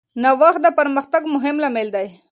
نوښت د پرمختګ مهم لامل دی.